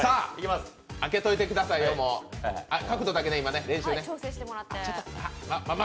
開けといてくださいよ、もう角度だけ調整してもらって。